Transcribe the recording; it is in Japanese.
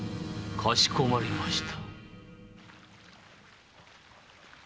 かしこまりました。